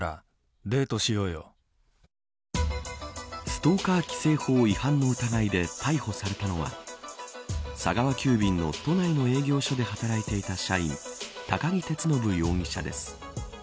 ストーカー規制法違反の疑いで逮捕されたのは佐川急便の都内の営業所で働いていた社員都木徹信容疑者です。